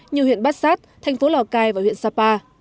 như huyện bát sát thành phố lào cai và huyện sapa